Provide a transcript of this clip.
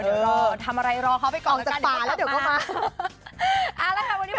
เออเดี๋ยวรอทำอะไรรอเค้าไปก่อนออกจากป่าแล้วเดี๋ยวก็มา